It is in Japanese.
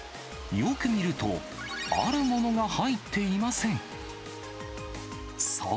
よく見ると、あるものが入っていません。